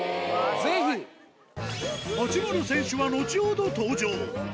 八村選手は後ほど登場。